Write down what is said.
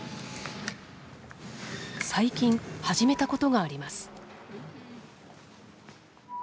最近始めたことがあります。